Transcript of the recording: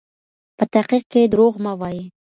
په تحقیق کې درواغ مه وایئ.